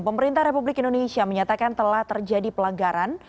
pemerintah republik indonesia menyatakan telah terjadi pelanggaran